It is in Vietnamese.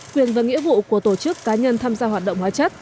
quyền và nghĩa vụ của tổ chức cá nhân tham gia hoạt động hóa chất